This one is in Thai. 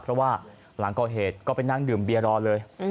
เพราะว่าหลังก่อเหตุก็ไปนั่งดื่มเบียรอเลย